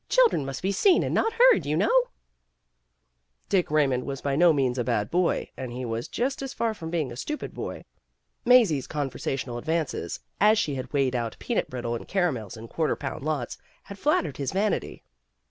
Children must be seen and not heard, you know/' Dick Raymond was by no means a bad boy, and he was just as far from being a stupid boy. Mazie 's conversational advances, as she had weighed out peanut brittle and caramels in quarter pound lots, had flattered his vanity.